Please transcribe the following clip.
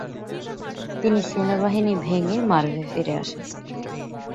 তিনি সেনাবাহিনী ভেঙ্গে মার্ভে ফিরে আসেন।